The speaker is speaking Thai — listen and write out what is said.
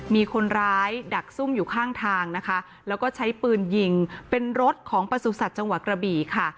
มีคนร้ายดักซุ่มอยู่ข้างทางนะคะแล้วก็ใช้ปืนยิงเป็นรถของประสุทธิ์จังหวัดกระบี่ค่ะ